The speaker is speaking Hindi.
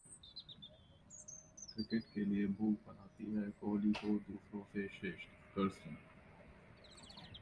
क्रिकेट के लिए भूख बनाती है कोहली को दूसरों से श्रेष्ठ: कर्स्टन